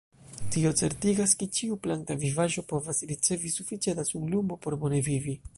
Tio certigas, ke ĉiu planta vivaĵo povas ricevi sufiĉe da sunlumo por bone vivi.